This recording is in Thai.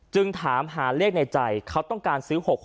ถามหาเลขในใจเขาต้องการซื้อ๖๖